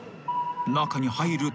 ［中に入ると］